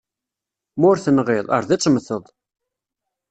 Ma ur tenɣiḍ, ard ad temmteḍ.